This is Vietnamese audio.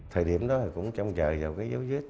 thời điểm đó thì cũng trông chờ vào cái dấu vết